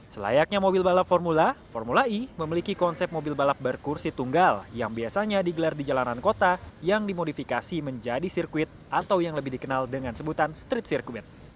selayaknya mobil balap formula formula e memiliki konsep mobil balap berkursi tunggal yang biasanya digelar di jalanan kota yang dimodifikasi menjadi sirkuit atau yang lebih dikenal dengan sebutan strip circuit